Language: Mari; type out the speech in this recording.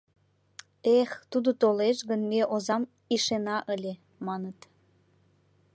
«Эх, тудо толеш гын, ме озам ишена ыле» маныт.